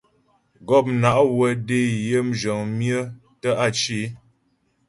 Gɔpna' wə́ dé yə mzhəŋ myə tə́ á cyə é.